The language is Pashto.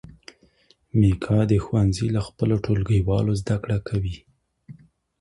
میکا د ښوونځي له خپلو ټولګیوالو زده کړې کوي.